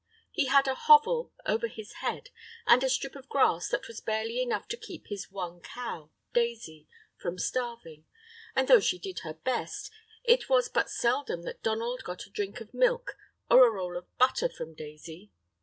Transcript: He had a hovel over his head and a strip of grass that was barely enough to keep his one cow, Daisy, from starving, and, though she did her best, it was but seldom that Donald got a drink of milk or a roll of butter from Daisy.